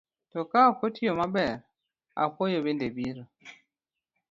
To ka ok otiyo maber, apuoyo bende biro.